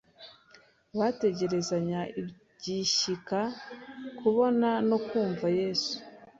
Bategerezanya igishyika kubona no kumva Yesu